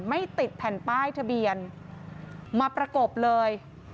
ไม่ติดแผ่นป้ายทะเบียนมาประกบเลย